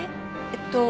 えっと